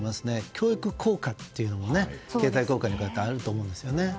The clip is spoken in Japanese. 教育効果というのも経済効果と共にあると思うんですよね。